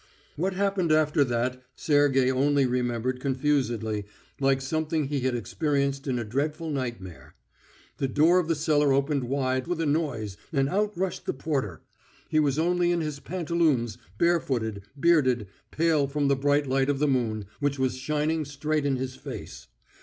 What happened after that Sergey only remembered confusedly, like something he had experienced in a dreadful nightmare. The door of the cellar opened wide with a noise, and out rushed the porter. He was only in his pantaloons, bare footed, bearded, pale from the bright light of the moon, which was shining straight in his face.